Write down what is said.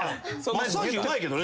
マッサージうまいけどね。